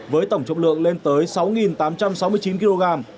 với tổng trọng lượng lên tới sáu tám trăm sáu mươi chín kg